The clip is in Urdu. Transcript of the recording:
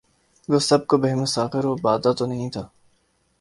گو سب کو بہم ساغر و بادہ تو نہیں تھا